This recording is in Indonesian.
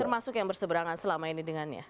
termasuk yang berseberangan selama ini dengannya